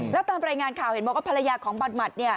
แล้วตามรายงานข่าวเห็นบอกว่าภรรยาของบันหมัดเนี่ย